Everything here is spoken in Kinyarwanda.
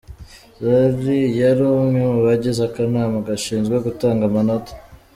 Zari yari umwe mu bagize akanama gashinzwe gutanga amanota.